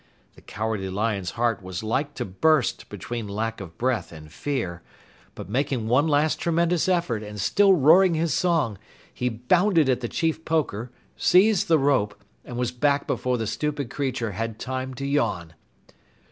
The Cowardly Lion's heart was like to burst between lack of breath and fear, but making one last tremendous effort and still roaring his song, he bounded at the Chief Poker, seized the rope, and was back before the stupid creature had time to yawn.